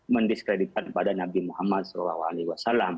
mendiskreditkan pada nabi muhammad saw